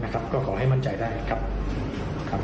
ก็ขอให้มั่นใจได้ครับ